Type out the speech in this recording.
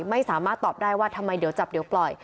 ไม่สามารถตอบได้ว่าทำไมเดี๋ยวจับเดี๋ยวปล่อย